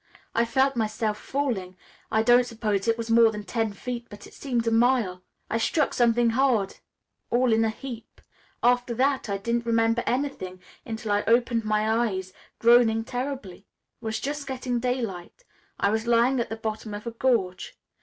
I felt myself falling. I don't suppose it was more than ten feet, but it seemed a mile. I struck something hard, all in a heap. After that I didn't remember anything until I opened my eyes, groaning terribly. It was just getting daylight. I was lying at the bottom of a gorge.